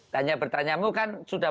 tanya pertanya mu kan sudah